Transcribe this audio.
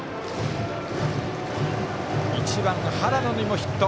１番、原野にもヒット。